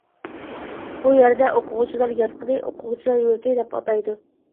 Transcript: بۇ يەردە ئوقۇغۇچىلار ياتىقىنى «ئوقۇغۇچىلار يۇرتى» دەپ ئاتايدۇ.